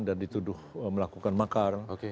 dan dituduh melakukan makar